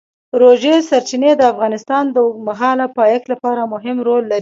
ژورې سرچینې د افغانستان د اوږدمهاله پایښت لپاره مهم رول لري.